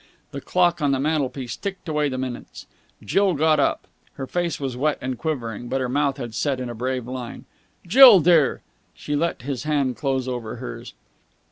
The clock on the mantelpiece ticked away the minutes. Jill got up. Her face was wet and quivering, but her mouth had set in a brave line. "Jill, dear!" She let his hand close over hers.